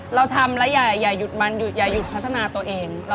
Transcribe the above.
เราทำแล้วอย่าหยุดมันหยุดอย่าหยุดพัฒนาตัวเอง